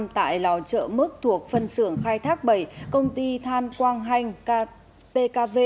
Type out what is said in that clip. tại lò chợ mức thuộc phân xưởng khai thác bảy công ty than quang hanh pkv